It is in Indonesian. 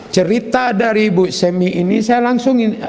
cerita dari bu semi ini saya langsung